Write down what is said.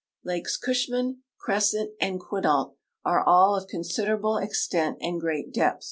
flakes Cushman, Crescent, and Quinault are all of considerable e.\tent and great dei)th.